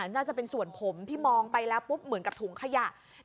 น่าจะเป็นส่วนผมที่มองไปแล้วปุ๊บเหมือนกับถุงขยะ